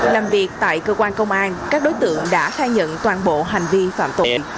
làm việc tại cơ quan công an các đối tượng đã khai nhận toàn bộ hành vi phạm tội